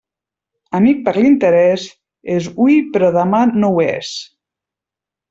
Amic per l'interés, és hui però demà no ho és.